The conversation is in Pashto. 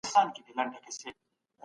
د سترګو لیدلی حال تر اورېدلو قوي دی.